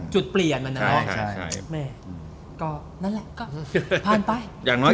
จุดเปลี่ยนมันนะ